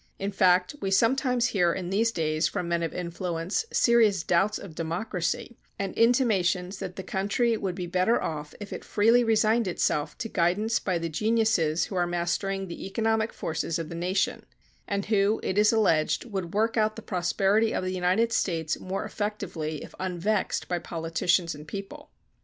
In fact, we sometimes hear in these days, from men of influence, serious doubts of democracy, and intimations that the country would be better off if it freely resigned itself to guidance by the geniuses who are mastering the economic forces of the nation, and who, it is alleged, would work out the prosperity of the United States more effectively, if unvexed by politicians and people.